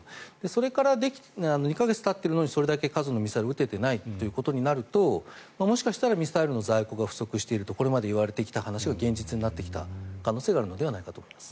それから２かげつたっているのにそれだけのミサイルを撃てていないとなるともしかしたらミサイルの在庫が不足しているこれまで言われてきた話が現実になってきた可能性があるのではないかと思います。